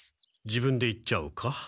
自分で言っちゃうか。